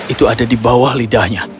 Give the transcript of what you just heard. itu ada di bawah lidahnya